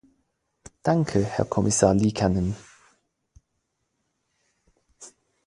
Danke, Herr Kommissar Liikanen.